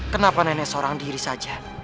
kenapa nenek seorang diri saja